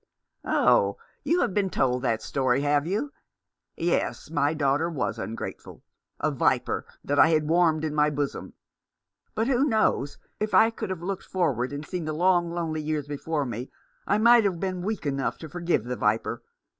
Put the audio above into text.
" Oh, you have been told that story, have you ? Yes, my daughter was ungrateful — a viper that I had warmed in my bosom ; but, who knows, if I could have looked forward and seen the long lonely years before me, I might have been weak enough to forgive the viper.